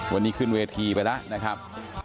วันนี้ขึ้นเวทีไปแล้วนะครับ